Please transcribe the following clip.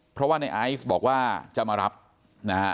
เพราะว่าในไอซ์บอกว่าจะมารับนะฮะ